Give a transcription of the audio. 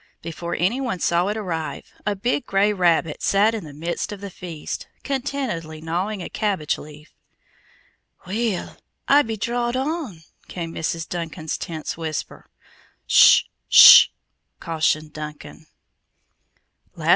Before anyone saw it arrive, a big gray rabbit sat in the midst of the feast, contentedly gnawing a cabbage leaf. "Weel, I be drawed on!" came Mrs. Duncan's tense whisper. "Shu shu," cautioned Duncan.